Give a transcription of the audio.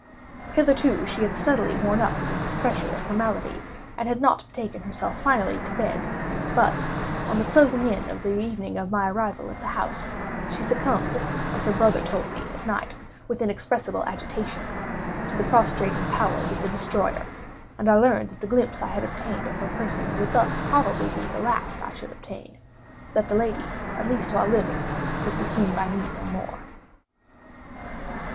Hitherto she had steadily borne up against the pressure of her malady, and had not betaken herself finally to bed; but, on the closing in of the evening of my arrival at the house, she succumbed (as her brother told me at night with inexpressible agitation) to the prostrating power of the destroyer; and I learned that the glimpse I had obtained of her person would thus probably be the last I should obtain—that the lady, at least while living, would be seen by me no more.